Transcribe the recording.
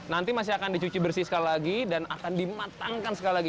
nanti masih akan dicuci bersih sekali lagi dan akan dimatangkan sekali lagi